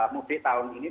mudik tahun ini